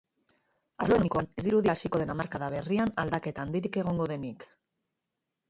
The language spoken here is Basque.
Arlo ekonomikoan, ez dirudi hasiko den hamarkada berrian aldaketa handirik egongo denik.